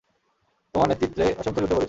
তোমার নেতৃত্বে অসংখ্য যুদ্ধ করেছি।